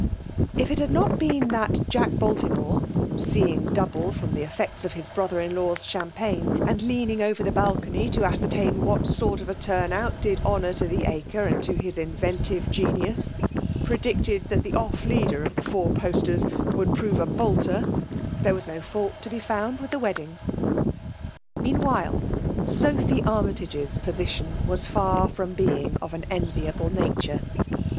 tt ijk had 4ot been that Jack Baltimore (seeing doiible from the effects of his brother in4aw s ChftmpagBc, and leaning over the balcony to aeeertain what sort of a turn out did honoor to the Acre and to his inTontivc genius) — pre>' dieted that the off leader of the four postero woidd proTc a bolter, there was no foult ti> be found with the wedding. Meanwhile, Sophy Arniytage*s position was far from being of an enviable nature.